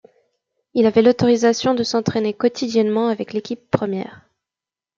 Il avait l'autorisation de s'entraîner quotidiennement avec l'équipe première.